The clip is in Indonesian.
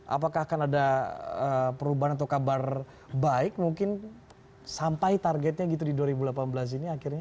apakah akan ada perubahan atau kabar baik mungkin sampai targetnya gitu di dua ribu delapan belas ini akhirnya